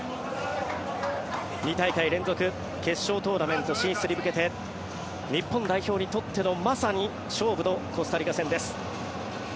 ２大会連続決勝トーナメント進出へ向けて日本代表にとってのまさに勝負のコスタリカ戦です。